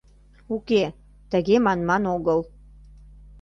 Уке, тыге манман огыл.